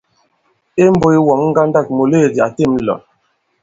Imbūs wɔ̌n ŋgandâk, mùleèdì a těm lɔ̀.